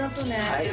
はい。